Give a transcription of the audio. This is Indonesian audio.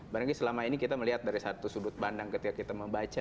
berarti selama ini kita melihat dari satu sudut pandang ketika kita membaca